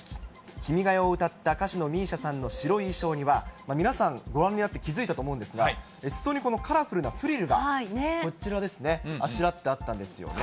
君が代を歌った歌手のＭＩＳＩＡさんの白い衣装には、皆さん、ご覧になって気付いたと思うんですが、すそにカラフルなフリルがこちらですね、あしらってあったんですよね。